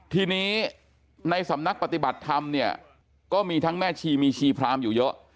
ทีนี้ในสำนักปฏิบัติธรรมเนี่ยก็มีทั้งแม่ชีมีชีพรามอยู่เยอะ